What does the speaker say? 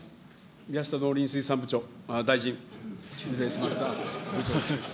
みやした農林水産部長、大臣、失礼しました。